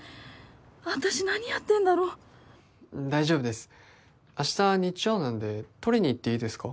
私何やってんだろう大丈夫です明日日曜なんで取りに行っていいですか？